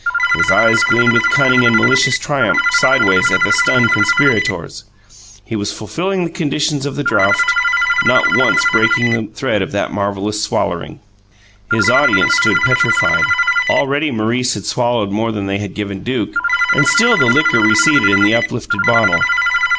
His eyes gleamed with cunning and malicious triumph, sidewise, at the stunned conspirators; he was fulfilling the conditions of the draught, not once breaking the thread of that marvelous swallering. His audience stood petrified. Already Maurice had swallowed more than they had given Duke and still the liquor receded in the uplifted bottle!